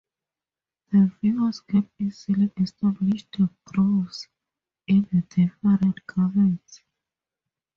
The viewers can easily establish the grooves in the different garments.